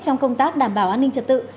trong công tác đảm bảo an ninh trật tự